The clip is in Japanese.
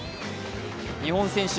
日本選手